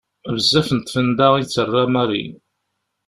Bezzaf n tfenda i d-terra Marie.